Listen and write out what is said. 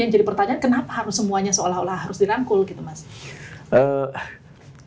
jadi pertanyaan kenapa harus semuanya seolah olah harus dirangkul gitu mas